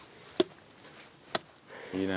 いいね。